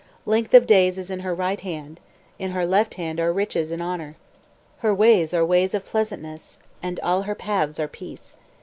Length of days is in her right hand; In her left hand are riches and honour. Her ways are ways of pleasantness, And all her paths are peace.